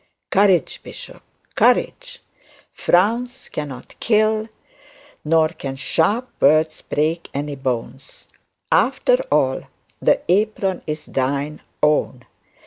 Courage, bishop, courage! Frowns cannot kill, nor can sharp words break any bones. After all the apron is thine own.